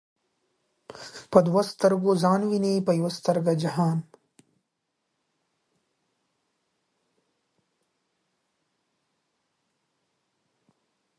په دوو ستر گو ځان ويني په يوه سترگه جهان